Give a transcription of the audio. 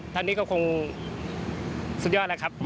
ท่านนี้ก็คงสุดยอดแล้วครับ